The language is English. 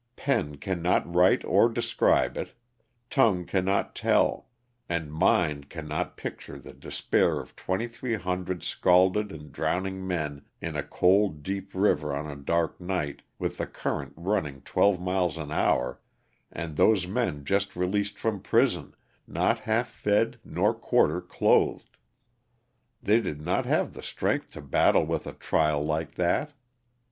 Pen can not write or describe it, tongue can not tell, and mind can not picture the despair of 2,300 scalded and drowning men in a cold deep river on a dark night, with the current running twelve miles an hour, and those men just released from prison, not half fed nor quarter clothed. They did not have the strength to battle with a trial like that.